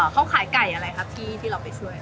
เขาขายไก่อะไรครับที่เราไปช่วย